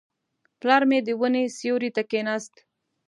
پلار مې د ونې سیوري ته کښېناست.